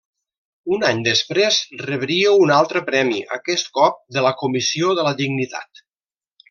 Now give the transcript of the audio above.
Un any després rebria un altre premi, aquest cop de la Comissió de la Dignitat.